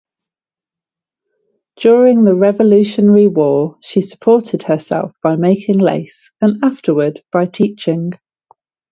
During the Revolutionary War she supported herself by making lace, and afterward by teaching.